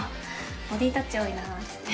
ボディータッチ多いなっつって。